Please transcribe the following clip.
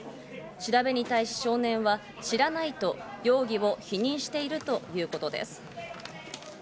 調べに対し、少年は知らないと容疑を否認しているということです。